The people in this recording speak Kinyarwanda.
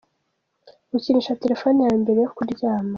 Ukinisha telefoni yawe mbere yo kuryama.